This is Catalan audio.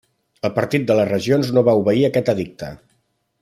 El Partit de les Regions no va obeir aquest edicte.